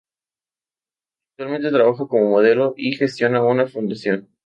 Actualmente trabaja como modelo y gestiona una fundación.